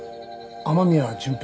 雨宮純平